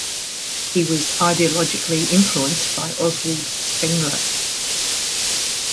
He was ideologically influenced by Oswald Spengler.